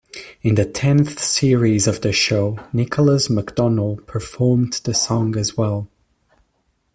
In the tenth series of the show, Nicholas McDonald performed the song as well.